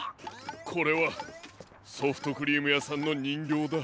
これはソフトクリームやさんのにんぎょうだ。